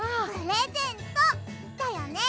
プレゼントだよね？